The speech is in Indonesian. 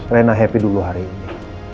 rena happy dulu hari ini